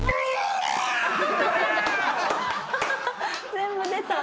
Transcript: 全部出た。